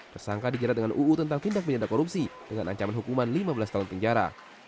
tersangka dijerat dengan uu tentang tindak pidana korupsi dengan ancaman hukuman lima belas tahun penjara